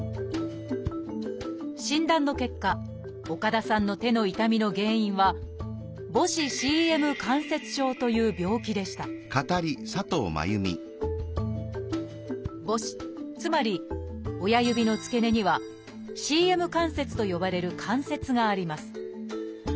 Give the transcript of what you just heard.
診断の結果岡田さんの手の痛みの原因はという病気でした母指つまり親指の付け根には「ＣＭ関節」と呼ばれる関節があります。